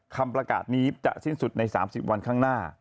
คำประกาศนี้จะสิ้นสุดใน๓๐วันข้างหน้า